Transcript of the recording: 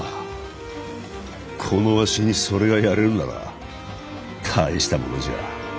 このわしにそれがやれるなら大したものじゃ。